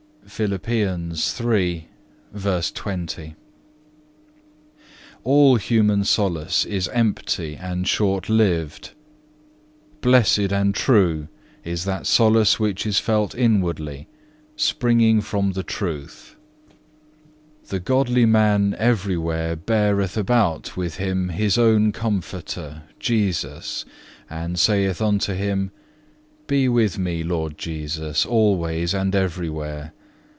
(1) All human solace is empty and short lived; blessed and true is that solace which is felt inwardly, springing from the truth. The godly man everywhere beareth about with him his own Comforter, Jesus, and saith unto Him: "Be with me, Lord Jesus, always and everywhere.